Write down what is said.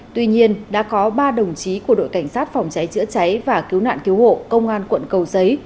tuy nhiên đã có ba đồng chí của đội cảnh sát phòng cháy chữa cháy và cứu nạn cứu hộ công an quận cầu giấy